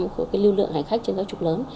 của lưu lượng hành khách trên các trục lớn